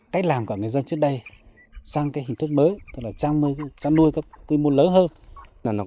cách làm của người dân trước đây sang hình thức mới trang nuôi có quy mô lớn hơn